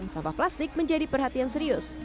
sampah plastik menjadi perhatian serius